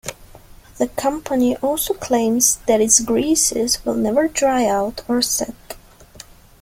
The company also claims that its greases will never dry out or set.